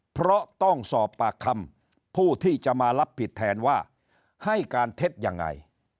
เพราะต้องสอบปากคำผู้ที่จะมารับผิดแทนว่าให้การเท็จยังไง